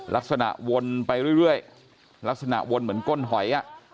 ลักษณะวนไปเรื่อยลักษณะวนเหมือนก้นหอย